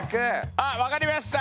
あっ分かりました。